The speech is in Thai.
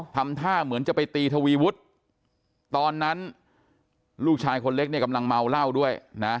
ทำท่าเหมือนจะไปตีทวีวุฒิตอนนั้นลูกชายคนเล็กเนี่ยกำลังเมาเหล้าด้วยนะ